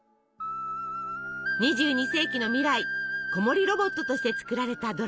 ２２世紀の未来子守ロボットとして作られたドラえもん。